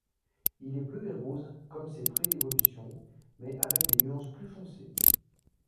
Il est bleu et rose, comme ses préévolutions, mais avec des nuances plus foncées.